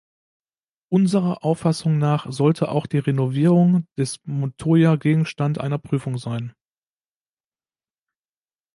Unserer Auffassung nach sollte auch die Renovierung des Montoyer Gegenstand einer Prüfung sein.